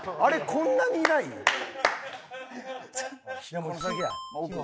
こんなにいないん？